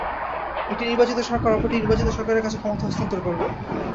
একটি নির্বাচিত সরকার অপর একটি নির্বাচিত সরকারের কাছে ক্ষমতা হস্তান্তর করবে।